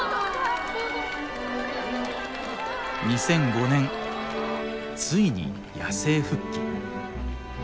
２００５年ついに野生復帰。